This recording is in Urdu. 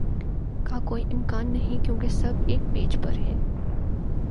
کا کوئی امکان نہیں کیونکہ سب ایک پیج پر ہیں